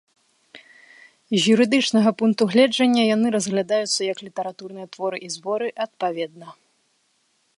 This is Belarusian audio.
З юрыдычнага пункту гледжання яны разглядаюцца як літаратурныя творы і зборы, адпаведна.